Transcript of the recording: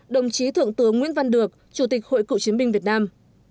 ba mươi sáu đồng chí thượng tướng nguyễn văn được chủ tịch hội cựu chiến binh việt nam